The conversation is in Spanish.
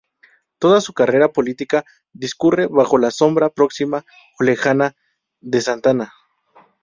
Toda su carrera política discurre bajo la sombra próxima o lejana de Santana.